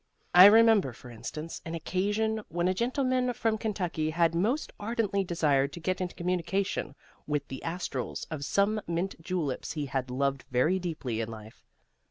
I remember, for instance, an occasion when a gentleman from Kentucky had most ardently desired to get into communication with the astrals of some mint juleps he had loved very deeply in life.